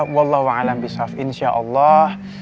wallahualam bisaf insya allah